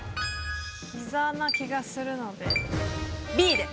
ひざな気がするのでＢで。